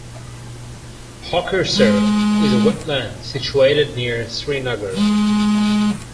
Hokersar is a wetland situated near Srinagar.